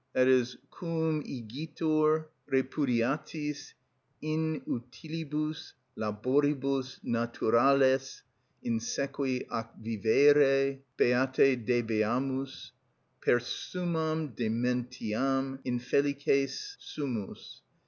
(_Quum igitur, repudiatis inutilibus laboribus, naturales insequi, ac vivere beate debeamus, per summam dementiam infelices sumus....